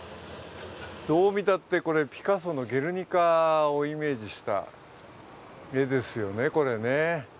どう見たって、これピカソの「ゲルニカ」をイメージした絵ですよね。